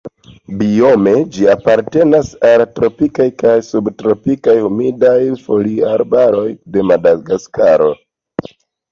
Biome ĝi apartenas al la tropikaj kaj subtropikaj humidaj foliarbaroj de Madagaskaro.